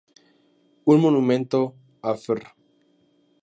Un monumento a Fr.